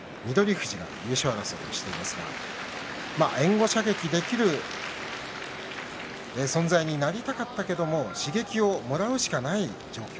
富士が優勝争いをしていますが援護射撃できる存在になりたかったけれども刺激をもらうしかない状況